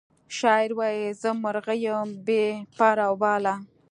شاعر وایی زه مرغه یم بې پر او باله